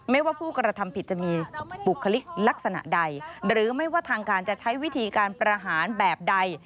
ว่าผู้กระทำผิดจะมีบุคลิกลักษณะใดหรือไม่ว่าทางการจะใช้วิธีการประหารแบบใด